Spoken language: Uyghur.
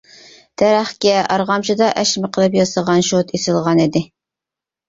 دەرەخكە ئارغامچىدا ئەشمە قىلىپ ياسىغان شوتا ئېسىلغانىدى.